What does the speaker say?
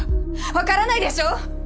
わからないでしょ？